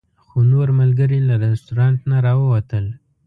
خو نور ملګري له رسټورانټ نه راووتل.